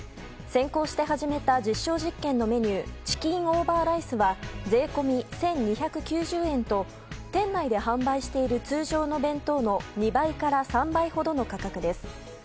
先行して始めた実証実験のメニューチキンオーバーライスは税込み１２９０円と店内で販売している通常の弁当の２倍から３倍ほどの価格です。